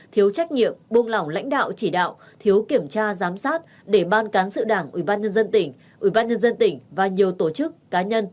thiếu trách nhiệm buông lỏng lãnh đạo chỉ đạo thiếu kiểm tra giám sát để ban cán sự đảng ủy ban nhân dân tỉnh ủy ban nhân dân tỉnh và nhiều tổ chức cá nhân